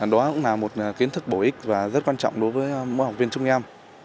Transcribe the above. đó cũng là một kiến thức bổ ích và rất quan trọng đối với mỗi học viên chúng em